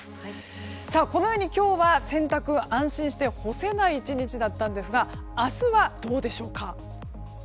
このように今日は洗濯物を安心して干せない１日でしたが明日はどうでしょうか。